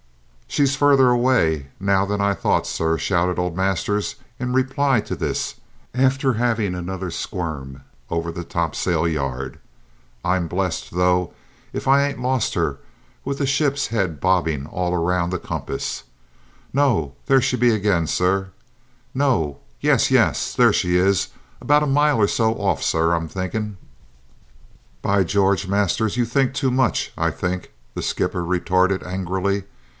"She's further away now than I thought, sir!" shouted old Masters in reply to this, after having another squirm over the topsail yard. "I'm blessed, though, if I ain't lost her, with the ship's head bobbing all round the compass. No; there she be ag'in, sir. No yes yes. There she is, about a mile or so off, sir, I'm thinkin'." "By George, Masters, you think too much, I think!" the skipper retorted angrily.